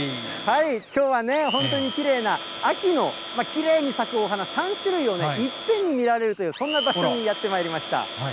きょうはね、本当にきれいな秋の、きれいに咲くお花、３種類をいっぺんに見られるという、そんな場所にやってまいりました。